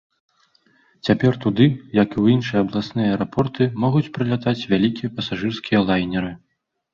Цяпер туды, як і ў іншыя абласныя аэрапорты, могуць прылятаць вялікія пасажырскія лайнеры.